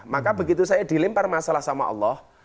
maka begitu saya dilempar masalah sama allah